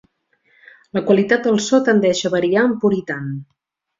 La qualitat del so tendeix a variar amb Puritan.